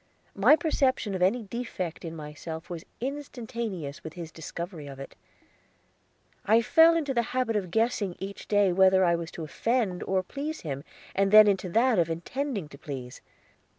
My perception of any defect in myself was instantaneous with his discovery of it. I fell into the habit of guessing each day whether I was to offend or please him, and then into that of intending to please.